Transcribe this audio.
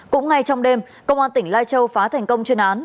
cũng ngay trong đêm công an tỉnh lai châu phá thành công chuyên án